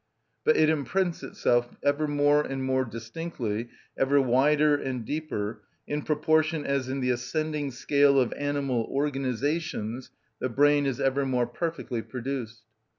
But it imprints itself ever more and more distinctly, ever wider and deeper, in proportion as in the ascending scale of animal organisations the brain is ever more perfectly produced.